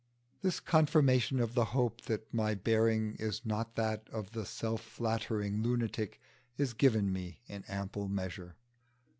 This confirmation of the hope that my bearing is not that of the self flattering lunatic is given me in ample measure.